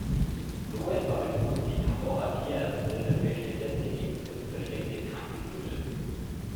So etwa bedrohte die Camorra Tierärzte, verfälschte Testergebnisse und versteckte kranke Büffel.